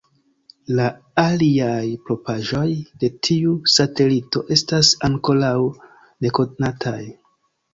La aliaj propraĵoj de tiu satelito estas ankoraŭ nekonataj.